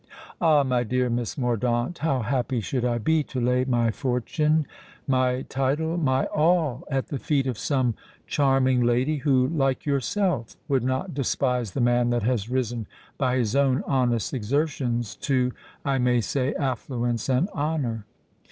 "Ah! my dear Miss Mordaunt, how happy should I be to lay my fortune—my title—my all, at the feet of some charming lady, who, like yourself, would not despise the man that has risen by his own honest exertions to I may say affluence and honour."